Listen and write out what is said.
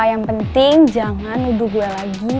yang penting jangan nuduh gue lagi